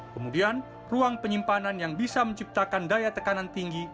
kemudian ruang penyimpanan yang bisa menciptakan daya tekanan tinggi